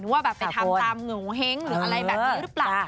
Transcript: หรือว่าไปทำตามเหงื่อโอเฮ้งหรืออะไรแบบนี้หรือเปล่า